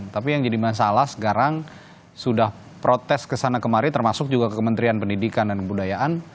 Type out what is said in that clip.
tapi yang jadi masalah sekarang sudah protes kesana kemari termasuk juga ke kementerian pendidikan dan kebudayaan